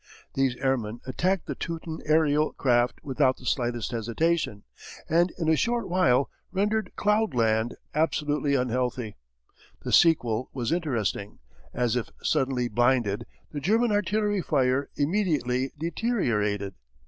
These airmen attacked the Teuton aerial craft without the slightest hesitation, and in a short while rendered cloudland absolutely unhealthy. The sequel was interesting. As if suddenly blinded, the German artillery fire immediately deteriorated.